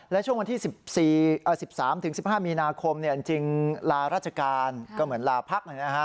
และช่วงวันที่๑๓๑๕มีนาคมจริงลาราชการก็เหมือนลาพัก